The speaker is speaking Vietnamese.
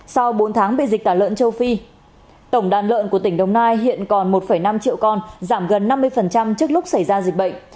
sau bốn tháng bị dịch tả lợn châu phi tổng đàn lợn của tỉnh đồng nai hiện còn một năm triệu con giảm gần năm mươi trước lúc xảy ra dịch bệnh